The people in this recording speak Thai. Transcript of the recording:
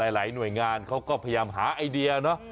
หลายหน่วยงานเขาก็พยายามหาไอเดียเนอะ